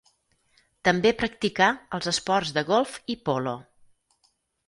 També practicà els esports de golf i polo.